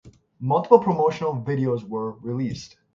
Multiple promotional videos were released.